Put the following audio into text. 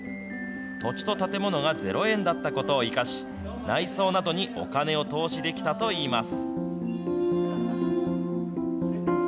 土地と建物が０円だったことを生かし、内装などにお金を投資できたといいます。